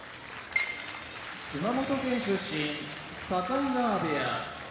熊本県出身境川部屋